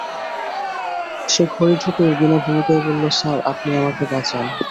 সে ঘরে ঢুকেই বিনা ভূমিকায় বলল, স্যার, আপনি আমাকে বাঁচান।